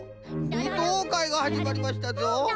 ぶとうかいがはじまりましたぞ。